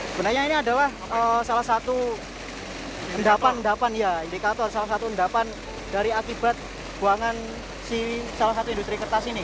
sebenarnya ini adalah salah satu indikator salah satu undapan dari akibat buangan si salah satu industri kertas ini